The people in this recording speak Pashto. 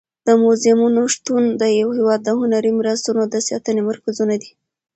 د موزیمونو شتون د یو هېواد د هنري میراثونو د ساتنې مرکزونه دي.